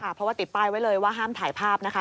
เพราะว่าติดป้ายไว้เลยว่าห้ามถ่ายภาพนะคะ